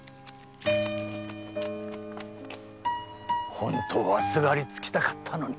本当はすがりつきたかったのに。